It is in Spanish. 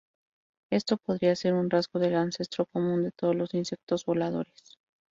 Esto podría ser un rasgo del ancestro común de todos los insectos voladores.